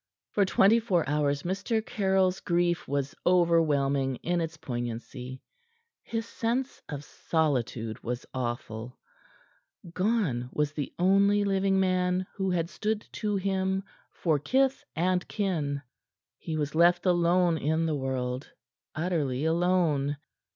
For twenty four hours Mr. Caryll's grief was overwhelming in its poignancy. His sense of solitude was awful. Gone was the only living man who had stood to him for kith and kin. He was left alone in the world; utterly alone.